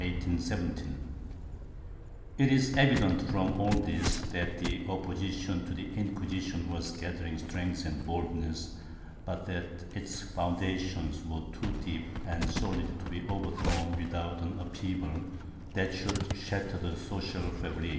^ It is evident from all this that the opposition to the Inquisition was gathering strength and boldness, but that its foundations were too deep and solid to be overthrown without an upheaval that should shatter the social fabric.